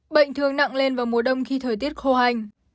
bệnh thường nặng lên vào mùa đông khi thời tiết khô hành